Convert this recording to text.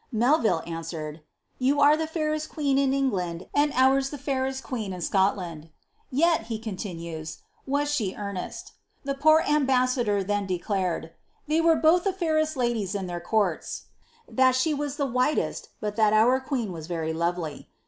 ' Melville answered, "' You are the feirest r^uPen in England snil oil the fuireM queen in Seodsntl.' Yet," he coiitimies, " waa she esrnesl 9 The poor ainbas«ador then dec lnred " They were bi*lh ihe fairest lad! in their courts ; thai she wag the whitest, but thai our queen was va lovely."